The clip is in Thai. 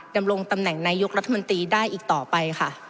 ดำรงตำแหน่งนายกรัฐมนตรีได้อีกต่อไปค่ะ